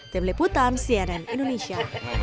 temleputan sienan indonesia